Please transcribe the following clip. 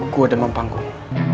gua demam panggung